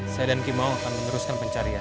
saya dan kimau akan meneruskan pencarian